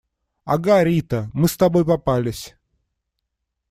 Ага, Рита! Мы с тобой попались.